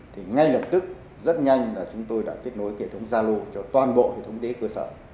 thì ngay lập tức rất nhanh là chúng tôi đã kết nối hệ thống zalo cho toàn bộ hệ thống y tế cơ sở